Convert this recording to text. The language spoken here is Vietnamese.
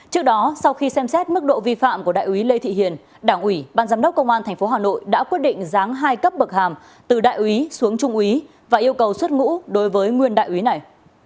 trước đó sau khi xem xét mức độ vi phạm của đại úy lê thị hiền đảng ủy ban giám đốc công an tp hà nội đã quyết định giáng hai cấp bậc hàm từ đại úy xuống trung úy và yêu cầu xuất ngũ đối với nguyên đại úy này